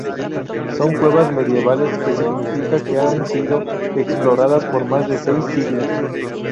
Son cuevas medievales, que significa que han sido exploradas por más de seis siglos.